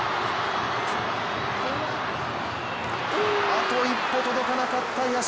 あと一歩届かなかった社。